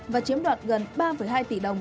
và chiếm đoạt gần ba hai tỷ đồng